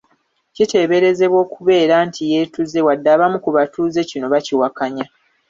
Kiteeberezebwa okubeera nti yeetuze wadde abamu ku batuuze kino bakiwakanya.